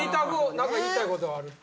何か言いたい事があると。